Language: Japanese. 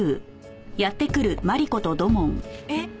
えっ？